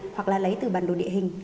hoặc là lấy từ bản đồ địa hình